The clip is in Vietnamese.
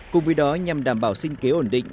cùng với đó nhằm đảm bảo sinh kế ổn định